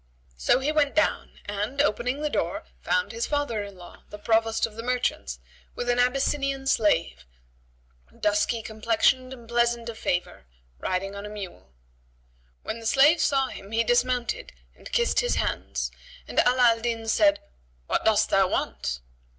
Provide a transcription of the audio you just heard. So he went down; and, opening the door, found his father in law, the Provost of the merchants with an Abyssinian slave, dusky complexioned and pleasant of favour, riding on a mule. When the slave saw him he dismounted and kissed his hands, and Ala al Din said, "What dost thou want?"